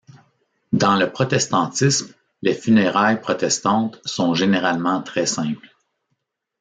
Dans le protestantisme, les funérailles protestantes sont généralement très simples.